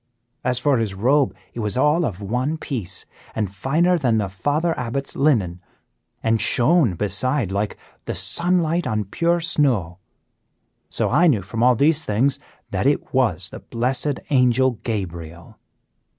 As for his robe, it was all of one piece, and finer than the Father Abbot's linen, and shone beside like the sunlight on pure snow. So I knew from all these things that it was the blessed Angel Gabriel."